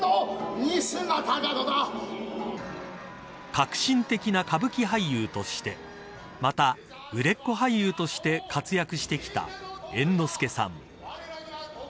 革新的な歌舞伎俳優としてまた、売れっ子俳優として活躍してきた、猿之助さん。